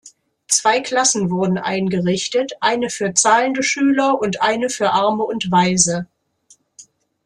Zwei Klassen wurden eingerichtet, eine für zahlende Schüler und eine für Arme und Waise.